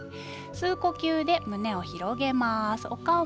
吸う呼吸で手を広げます。